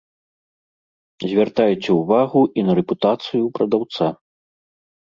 Звяртайце ўвагу і на рэпутацыю прадаўца.